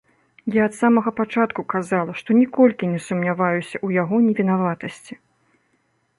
Я ад самага пачатку казала, што ніколькі не сумняваюся ў яго невінаватасці.